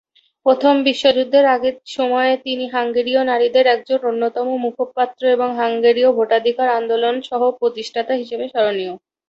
প্রথম বিশ্বযুদ্ধের আগে সময়ে তিনি হাঙ্গেরীয় নারীদের একজন অন্যতম মুখপাত্র এবং হাঙ্গেরীয় ভোটাধিকার আন্দোলনের সহ-প্রতিষ্ঠাতা হিসেবে স্মরণীয়।